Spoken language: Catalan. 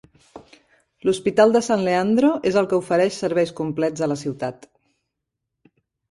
L"hospital de San Leandro és el que ofereix serveis complets a la ciutat.